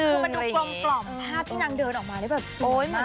คือมันดูกลมภาพที่นางเดินออกมาได้แบบสวยมาก